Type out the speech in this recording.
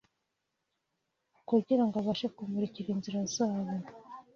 kugira ngo abashe kumurikira inzira zabo;